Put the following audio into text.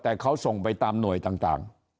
แต่เขาส่งไปตามหน่วยต่าง